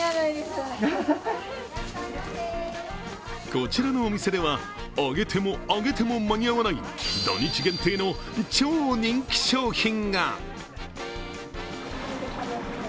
こちらのお店では、揚げても揚げても間に合わない土日限定の超人気商品が。